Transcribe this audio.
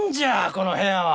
この部屋は！